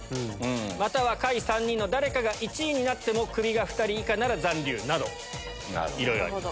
または下位３人の誰かが１位になっても、クビが２人以下なら残留など、いろいろあります。